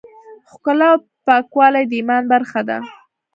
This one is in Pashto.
ښکلا او پاکوالی د ایمان برخه ده.